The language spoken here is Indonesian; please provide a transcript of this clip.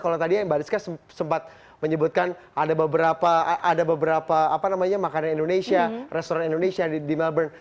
kalau tadi mbak rizka sempat menyebutkan ada beberapa makanan indonesia restoran indonesia di melbourne